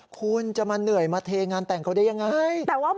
คุณจะมาเหนื่อยมาเทงานแต่งเขาได้ยังไง